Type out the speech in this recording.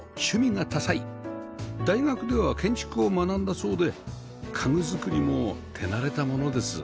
大学では建築を学んだそうで家具作りも手慣れたものです